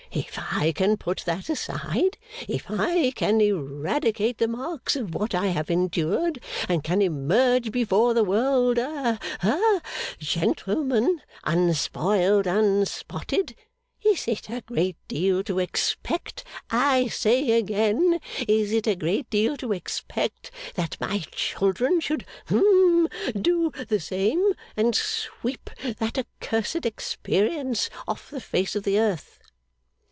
If I can put that aside, if I can eradicate the marks of what I have endured, and can emerge before the world a ha gentleman unspoiled, unspotted is it a great deal to expect I say again, is it a great deal to expect that my children should hum do the same and sweep that accursed experience off the face of the earth?